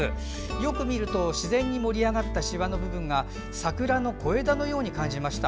よく見ていると自然に盛り上がったしわの部分が桜の小枝のように感じました。